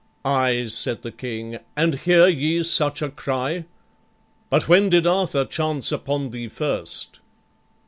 '" "Ay," said the King, "and hear ye such a cry? But when did Arthur chance upon thee first?"